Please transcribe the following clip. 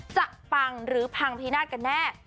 ปังหรือพังพินาศกันแน่